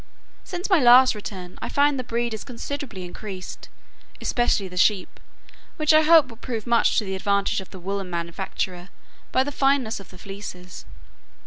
Since my last return I find the breed is considerably increased, especially the sheep, which I hope will prove much to the advantage of the woollen manufacture, by the fineness of the fleeces.